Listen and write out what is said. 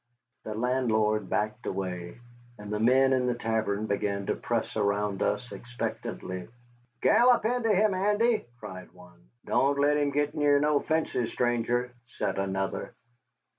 The landlord backed away, and the men in the tavern began to press around us expectantly. "Gallop into him, Andy!" cried one. "Don't let him git near no fences, stranger," said another.